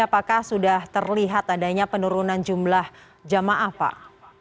apakah sudah terlihat adanya penurunan jumlah jamaah pak